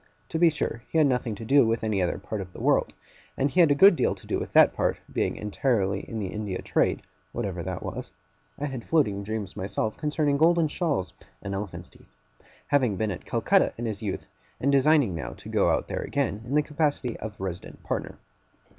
To be sure he had nothing to do with any other part of the world, and had a good deal to do with that part; being entirely in the India trade, whatever that was (I had floating dreams myself concerning golden shawls and elephants' teeth); having been at Calcutta in his youth; and designing now to go out there again, in the capacity of resident partner.